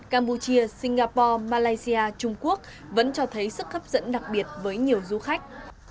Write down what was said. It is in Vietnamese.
campuchia singapore malaysia trung quốc vẫn cho thấy sức hấp dẫn đặc biệt với nhiều du khách